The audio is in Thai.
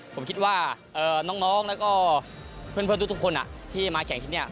ผมคิดว่าน้องแล้วก็เพื่อนทุกคนที่มาแข่งที่นี่